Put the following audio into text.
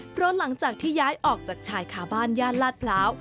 เพราะหลังจากที่ย้ายออกจากชายคาบ้านย่านลาดพร้าว